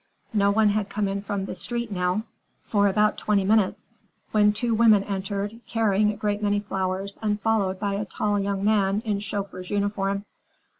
No one had come in from the street now for about twenty minutes, when two women entered, carrying a great many flowers and followed by a tall young man in chauffeur's uniform.